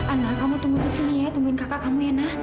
anna kamu tunggu di sini ya tungguin kakak kamu ya na